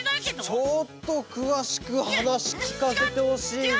ちょっとくわしくはなしきかせてほしいな。